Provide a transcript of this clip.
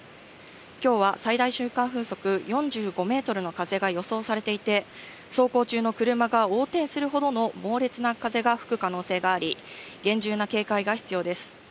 きょうは最大瞬間風速４５メートルの風が予想されていて、走行中の車が横転するほどの猛烈な風が吹く可能性があり、厳重な警戒が必要です。